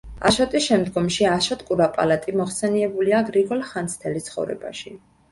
აშოტი შემდგომში აშოტ კურაპალატი მოხსენიებულია გრიგოლ ხანძთელის ცხოვრებაში.